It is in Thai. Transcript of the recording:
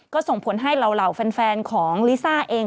ก็ส่งผลให้เหล่าแฟนของลิซ่าเอง